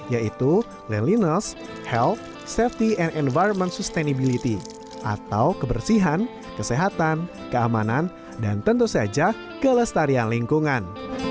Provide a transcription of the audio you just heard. yaitu laliness health safety and environment sustainability atau kebersihan kesehatan keamanan dan tentu saja kelestarian lingkungan